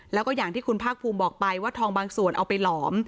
แล้วก็อย่างที่คุณภาคภูมิบอกไปว่าทองบางส่วนเอาไปหลอม